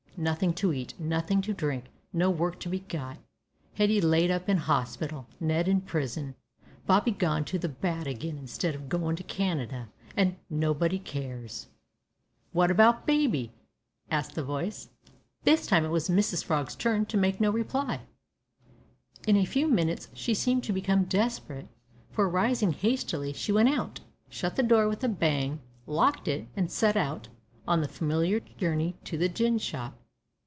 "Nothing to eat, nothing to drink, no work to be got, Hetty laid up in hospital, Ned in prison, Bobby gone to the bad again instead of goin' to Canada, and nobody cares " "What about baby?" asked the Voice. This time it was Mrs Frog's turn to make no reply! in a few minutes she seemed to become desperate, for, rising hastily, she went out, shut the door with a bang, locked it, and set out on the familiar journey to the gin shop.